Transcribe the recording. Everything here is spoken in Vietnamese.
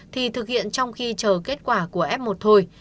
thì thực hiện trong khi chờ kết quả của f một thôi